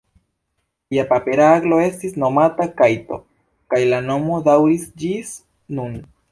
Tia papera aglo estis nomata kajto, kaj la nomo daŭris ĝis nun.